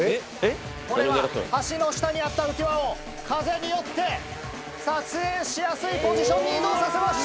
これは橋の下にあった浮き輪を風によって撮影しやすいポジションに移動させました！